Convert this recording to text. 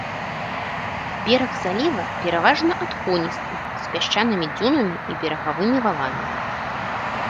Бераг заліва пераважна адхоністы з пясчанымі дзюнамі і берагавымі валамі.